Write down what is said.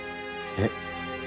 えっ？